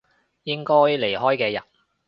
應該離開嘅人